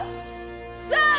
さあ！